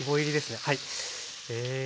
はい。